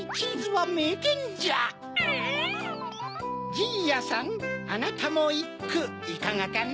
じいやさんあなたもいっくいかがかな？